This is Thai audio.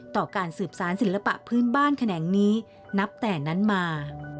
ต่อการสืบสารศิลปะพื้นบ้านแขนงนี้นับแต่นั้นมา